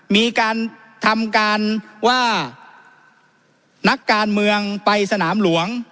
มีการทำการว่านักการเมืองไปสนามหลวง